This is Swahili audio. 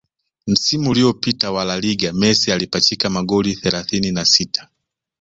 Msimu uliopita wa La Liga Messi alipachika magoli thelathini na sita